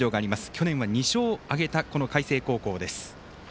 去年は２勝を挙げた海星高校です。